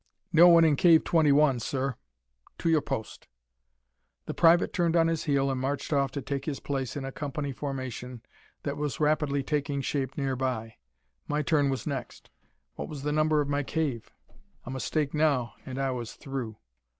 "No one in cave twenty one, sir." "To your post." The private turned on his heel and marched off to take his place in a company formation that was rapidly taking shape near by. My turn was next. What was the number of my cave? A mistake now, and I was through.